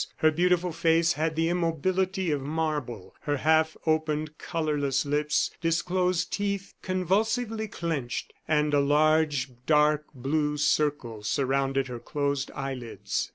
Her beautiful face had the immobility of marble; her half opened, colorless lips disclosed teeth convulsively clinched, and a large dark blue circle surrounded her closed eyelids.